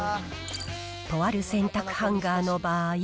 とある洗濯ハンガーの場合。